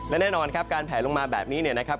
และแน่นอนครับการแผลลงมาแบบนี้เนี่ยนะครับ